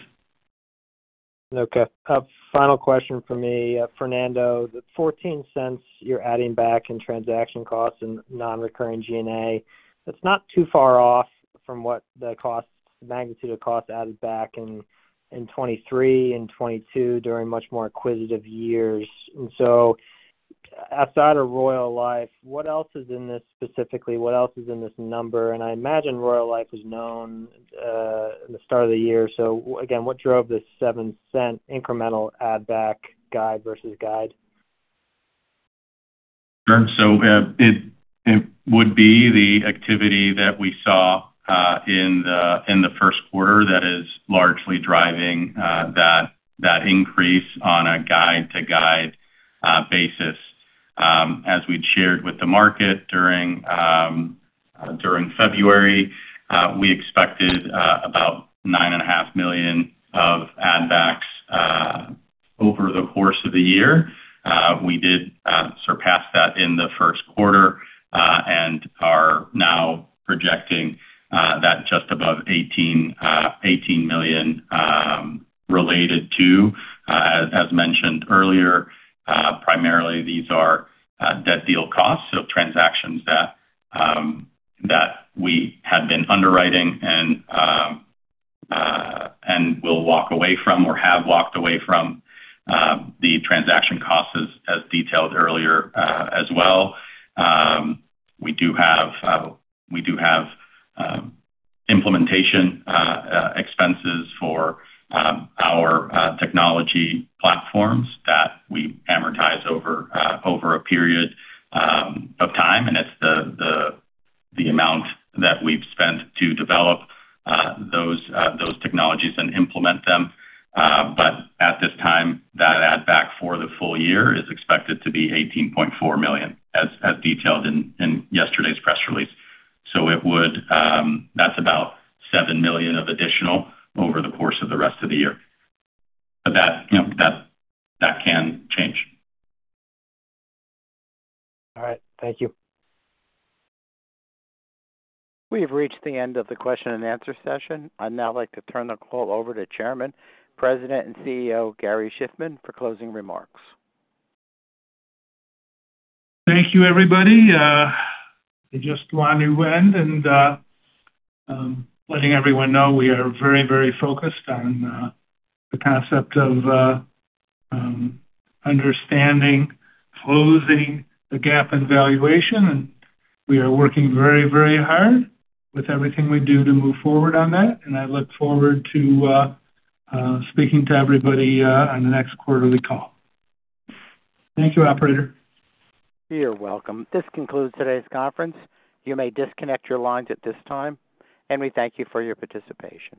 Okay. A final question for me, Fernando. The $0.14 you're adding back in transaction costs and non-recurring G&A, that's not too far off from what the costs, the magnitude of costs, added back in, in 2023 and 2022 during much more acquisitive years. And so outside of RoyaleLife, what else is in this specifically? What else is in this number? And I imagine RoyaleLife was known in the start of the year. So again, what drove this $0.07 incremental add-back guide versus guide? Sure. So, it would be the activity that we saw in the first quarter that is largely driving that increase on a guide-to-guide basis. As we'd shared with the market during February, we expected about $9.5 million of add backs over the course of the year. We did surpass that in the first quarter and are now projecting that just above $18 million related to, as mentioned earlier, primarily these are dead deal costs, so transactions that we had been underwriting and will walk away from or have walked away from, the transaction costs, as detailed earlier, as well. We do have implementation expenses for our technology platforms that we amortize over a period of time, and it's the amount that we've spent to develop those technologies and implement them. But at this time, that add back for the full year is expected to be $18.4 million, as detailed in yesterday's press release. So it would. That's about $7 million of additional over the course of the rest of the year. But that, you know, can change. All right. Thank you. We have reached the end of the question and answer session. I'd now like to turn the call over to Chairman, President, and CEO, Gary Shiffman, for closing remarks. Thank you, everybody. I just want to end and, letting everyone know we are very, very focused on, the concept of, understanding, closing the gap in valuation, and we are working very, very hard with everything we do to move forward on that. I look forward to, speaking to everybody, on the next quarterly call. Thank you, operator. You're welcome. This concludes today's conference. You may disconnect your lines at this time, and we thank you for your participation.